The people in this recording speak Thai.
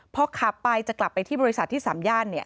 พอกลับไปจะกลับไปที่บริษัทที่สำย่านเนี่ย